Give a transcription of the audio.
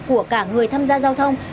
của cả người tham gia giao thông